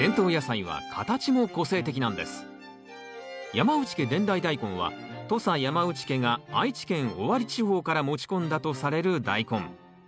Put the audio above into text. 山内家伝来大根は土佐山内家が愛知県尾張地方から持ち込んだとされるダイコン。